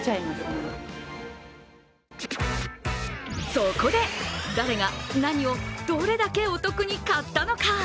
そこで、誰が何をどれだけお得に買ったのか？